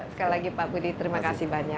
sekali lagi pak budi terima kasih banyak